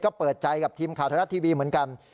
ก็เปิดใจกับทีมข่าวไทยรัฐทีวีเหมือนกัน